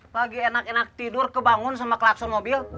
pagi enak enak tidur kebangun sama klakson mobil